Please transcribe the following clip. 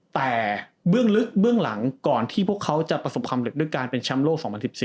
แต่เบื้องลึกเบื้องหลังก่อนที่พวกเขาจะประสบความเร็จด้วยการเป็นแชมป์โลก๒๐๑๔